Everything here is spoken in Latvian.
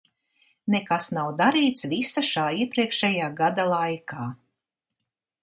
Nekas nav darīts visa šā iepriekšējā gada laikā!